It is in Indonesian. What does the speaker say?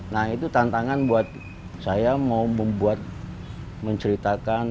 nah itu tantangan buat saya mau membuat menceritakan